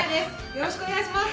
よろしくお願いします！